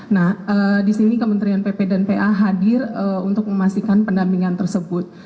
nah disini kementerian pppa hadir untuk memastikan pendampingan tersebut